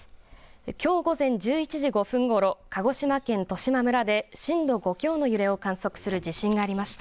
きょう午前１１時５分ごろ、鹿児島県十島村で震度５強の揺れを観測する地震がありました。